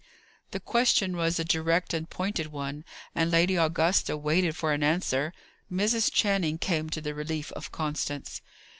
The question was a direct and pointed one, and Lady Augusta waited for an answer. Mrs. Channing came to the relief of Constance.